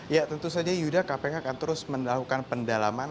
ya tentu saja yuda kpk akan terus melakukan pendalaman